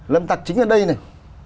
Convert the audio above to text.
lâm tặc chính ở đây này